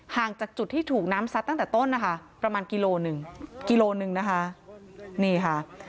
ห่างจากจุดที่ถูกน้ำซัดตั้งแต่ต้นนะคะประมาณกิโลหนึ่งนะคะ